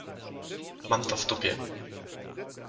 Mam to w dupie.